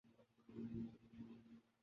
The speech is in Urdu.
دیکھو اونٹ کس کروٹ بیٹھتا ہے ۔